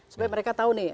supaya mereka tahu nih